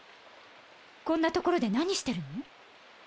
こんな所で何してるの？